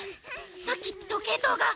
さっき時計塔が！